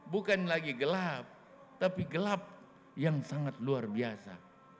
bukan lagi gelap tapi gelap yang sangat luar biasa